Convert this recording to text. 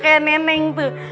kayak neneng tuh